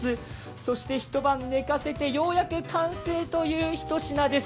そして一晩寝かせて、ようやく完成というひと品です。